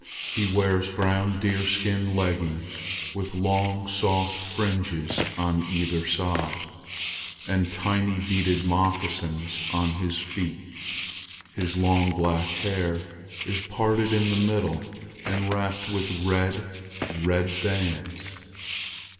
He wears brown deerskin leggins with long soft fringes on either side, and tiny beaded moccasins on his feet. His long black hair is parted in the middle and wrapped with red, red bands.